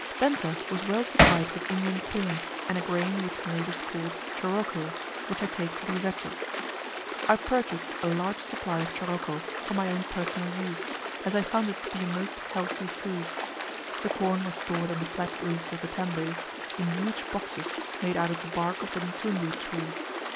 Benta was well supplied with Indian corn and a grain which the natives called choroko, which I take to be vetches. I purchased a large supply of choroko for my own personal use, as I found it to be a most healthy food. The corn was stored on the flat roofs of the tembes in huge boxes made out of the bark of the mtundu tree.